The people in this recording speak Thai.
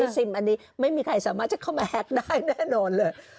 ชิมอันนี้ไม่มีใครสามารถจะเข้ามาแฮกได้แน่นอนเลย